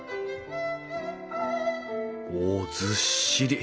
おずっしり。